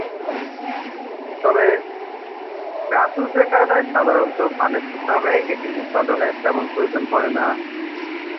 তবে প্রাচুর্যের কারণে সাধারণত বাণিজ্যিকভাবে এটি উৎপাদনের তেমন প্রয়োজন পড়ে না।